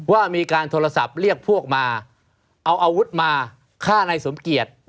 ว่ามีการโทรศัพท์เรียกพวกมาเอาอาวุธมาฆ่านายสมเกียจ